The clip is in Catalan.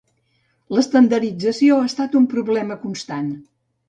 L'estandardització ha estat un problema constant.